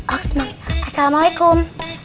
oke mak assalamualaikum